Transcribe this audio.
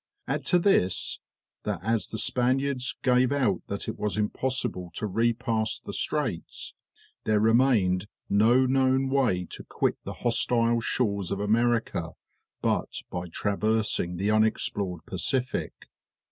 Add to this, that as the Spaniards gave out that it was impossible to repass the Straits, there remained no known way to quit the hostile shores of America, but by traversing the unexplored Pacific.